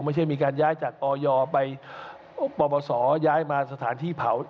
ไม่ใช่มีการย้ายจากออยไปปปศย้ายมาสถานที่เผา